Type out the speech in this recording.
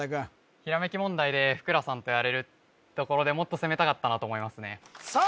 ひらめき問題でふくらさんとやれるってところでもっと攻めたかったなと思いますねさあ